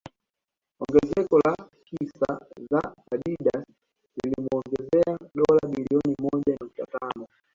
Ongezeko la hisa za Adidas liliomuongezea dola bilioni moja nukta tano